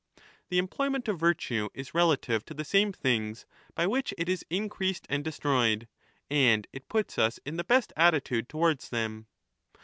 The employment of virtue is relative to the same things by which it is increased and destroyed, and it puts us in the best attitude towards them.